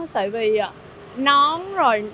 tại vì nón rồi